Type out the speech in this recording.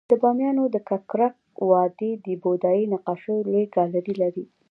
د بامیانو د ککرک وادی د بودایي نقاشیو لوی ګالري لري